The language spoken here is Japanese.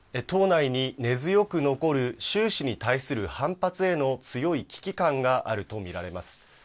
党内に根強く残る、習氏に対する反発への強い危機感があると見られます。